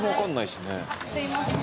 すみません。